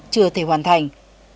chưa thể hoàn thành